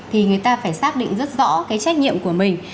thì người ta phải xác định rất rõ cái trách nhiệm của mình